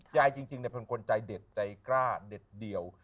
ใจจริงเนี่ยเป็นคนใจเด็ดใจกล้าเด็ดเดียว